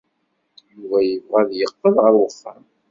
Yuba yebɣa ad d-yeqqel ɣer uxxam.